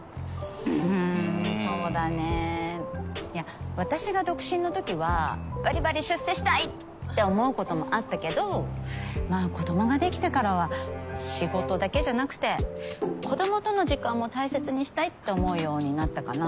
うんそうだねいや私が独身のときはばりばり出世したい！って思うこともあったけどまあ子供が出来てからは仕事だけじゃなくて子供との時間も大切にしたいって思うようになったかな。